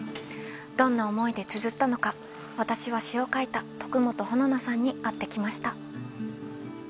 どんな思いでつづったのか私は詩を書いた徳元穂菜さんに会ってきました。